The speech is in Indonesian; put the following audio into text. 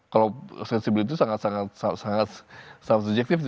kalau sensibilitas itu sangat subjektif